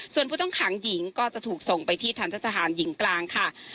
ส่วนผู้ต้องขังหญิงก็จะถูกส่งไปที่ทันทะสถานหญิงกลางค่ะ